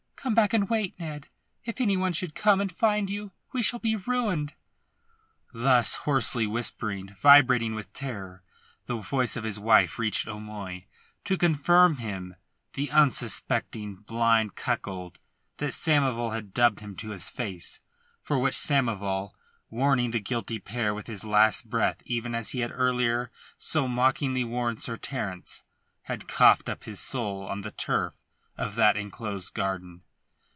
Come back and wait, Ned. If any one should come and find you we shall be ruined." Thus hoarsely whispering, vibrating with terror, the voice of his wife reached O'Moy, to confirm him the unsuspecting blind cuckold that Samoval had dubbed him to his face, for which Samoval warning the guilty pair with his last breath even as he had earlier so mockingly warned Sir Terence had coughed up his soul on the turf of that enclosed garden.